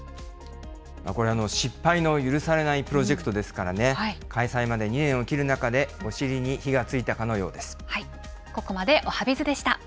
これ、失敗の許されないプロジェクトですからね、開催まで２年を切る中で、お尻に火がついたかのようです。